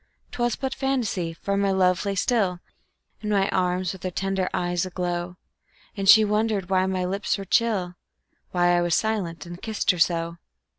'Twas but fantasy, for my love lay still In my arms, with her tender eyes aglow, And she wondered why my lips were chill, Why I was silent and kissed her so.